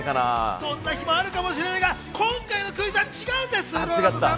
そんな日もあるかもしれないが、今回のクイズは違うんです。